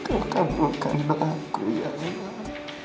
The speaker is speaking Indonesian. kamu kan berhati hati ya allah